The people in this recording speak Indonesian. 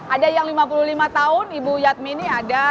ada yang lima puluh lima tahun ibu yadmini ada